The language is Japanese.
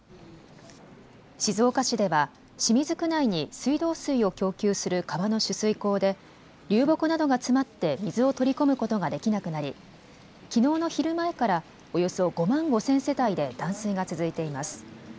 静岡市では清水区内に水道水を供給する川の取水口で流木などが詰まって水を取り込むことができなくなりきのうの昼前からおよそ５万５０００世帯で断水が続いています。